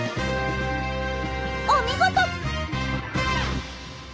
お見事！